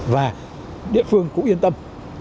và địa phương cũng yên tâm